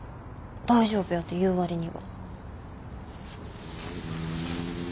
大丈夫やて言う割には。